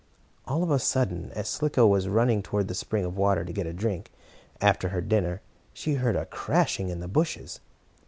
All of a sudden, as Slicko was running toward the spring of water to get a drink, after her dinner, she heard a crashing in the bushes.